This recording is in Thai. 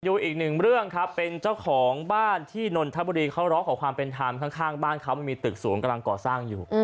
อีกหนึ่งเรื่องครับเป็นเจ้าของบ้านที่นนทบุรีเขาร้องขอความเป็นธรรมข้างบ้านเขามันมีตึกสูงกำลังก่อสร้างอยู่